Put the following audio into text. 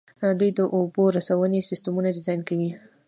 دوی د اوبو رسونې سیسټمونه ډیزاین کوي.